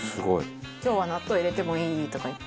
「今日は納豆入れてもいい？」とか言って。